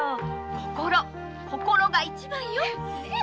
心心が一番よ。